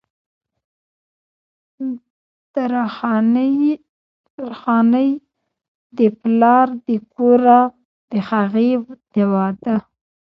درخانۍ د پلار د کوره د هغې د وادۀ